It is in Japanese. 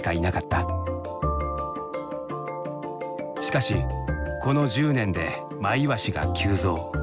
しかしこの１０年でマイワシが急増。